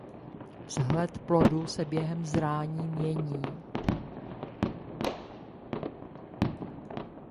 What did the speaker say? Vzhled plodu se během zraní mění.